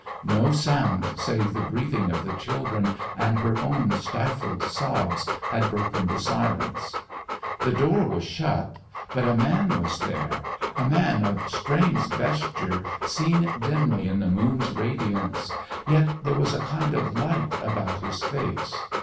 No sound save the breathing of the children and her own stifled sobs had broken the silence; the door was shut, but a man was there, a man of strange vesture seen dimly in the moon's radiance, yet there was a kind of light about his face.